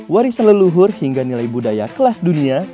warisan leluhur hingga nilai budaya kelas dunia